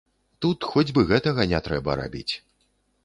Тут хоць бы гэтага не трэба рабіць.